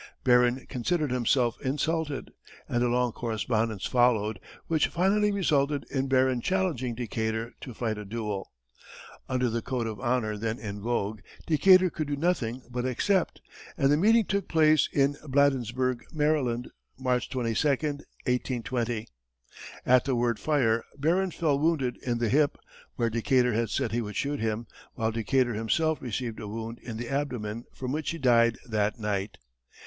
Barron considered himself insulted, and a long correspondence followed, which finally resulted in Barron challenging Decatur to fight a duel. Under the code of honor then in vogue, Decatur could do nothing but accept, and the meeting took place at Bladensburg, Maryland, March 22, 1820. At the word "fire," Barron fell wounded in the hip, where Decatur had said he would shoot him, while Decatur himself received a wound in the abdomen from which he died that night.